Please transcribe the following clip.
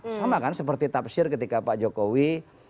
sama kan seperti tafsir ketika pak jokowi